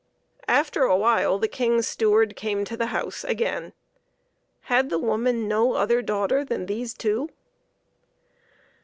After a while the King's steward came to the house again. Had the woman no other daughter than these two